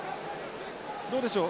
どうでしょう？